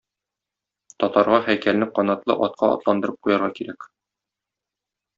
Татарга һәйкәлне канатлы атка атландырып куярга кирәк.